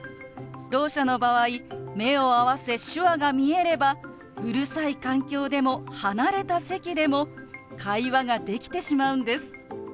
ろう者の場合目を合わせ手話が見えればうるさい環境でも離れた席でも会話ができてしまうんです。